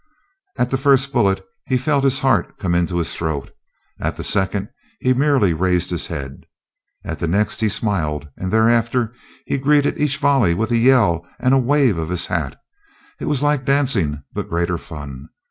At the first bullet he felt his heart come into his throat. At the second he merely raised his head. At the next he smiled, and thereafter he greeted each volley with a yell and with a wave of his hat. It was like dancing, but greater fun.